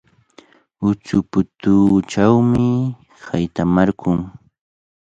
Utsuputuuchawmi haytamarqun.